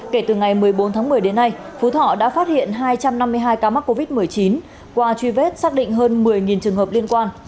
kể từ ngày một mươi bốn tháng một mươi đến nay phú thọ đã phát hiện hai trăm năm mươi hai ca mắc covid một mươi chín qua truy vết xác định hơn một mươi trường hợp liên quan